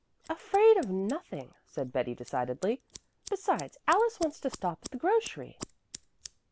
"Afraid of nothing," said Betty decidedly. "Besides, Alice wants to stop at the grocery."